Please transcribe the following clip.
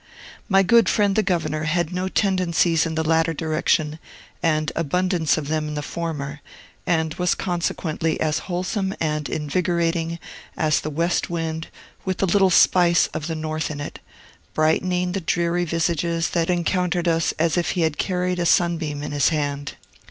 My good friend the governor had no tendencies in the latter direction, and abundance of them in the former, and was consequently as wholesome and invigorating as the west wind with a little spice of the north in it, brightening the dreary visages that encountered us as if he had carried a sunbeam in his hand.